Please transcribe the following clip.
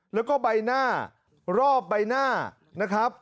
แล้วก็ใบหน้ารอบใบหน้านะครับ